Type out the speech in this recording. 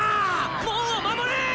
門を守れ！